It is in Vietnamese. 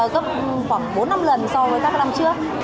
gấp khoảng bốn năm lần so với các năm trước